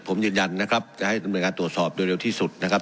ผมยืนยันนะครับจะให้ดำเนินการตรวจสอบโดยเร็วที่สุดนะครับ